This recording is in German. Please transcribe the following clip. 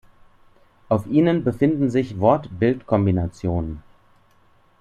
Auf ihnen befinden sich Wort-Bild-Kombinationen.